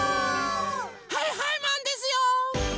はいはいマンですよ！